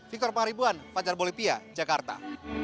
victor pangaribuan fajar bolivia jakarta